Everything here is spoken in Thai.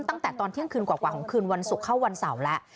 ตั้งแต่ตอนเที่ยงคืนกว่าของคืนวันศุกร์เข้าวันเสาร์แล้ว